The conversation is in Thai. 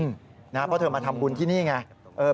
เพราะเธอมาทำบุญที่นี่ไง